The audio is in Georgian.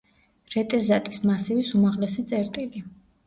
რეტეზატის მასივის უმაღლესი წერტილი.